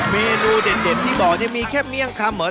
เมนูเด็ดที่บอกจะมีแค่เมี่ยงคำเหรอ